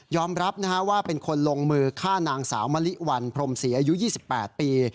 รับว่าเป็นคนลงมือฆ่านางสาวมะลิวันพรมศรีอายุ๒๘ปี